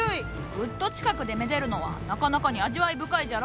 ぐっと近くでめでるのはなかなかに味わい深いじゃろ？